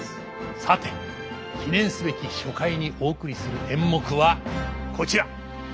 さて記念すべき初回にお送りする演目はこちら！